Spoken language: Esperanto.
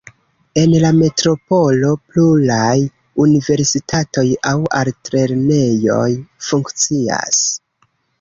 En la metropolo pluraj universitatoj aŭ altlernejoj funkcias.